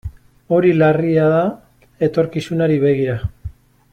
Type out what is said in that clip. Hori larria da etorkizunari begira.